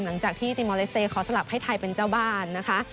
หลังจากที่ติมอลเลสเตย์ขอสลับให้ไทยเป็นเจ้าบ้านนะคะ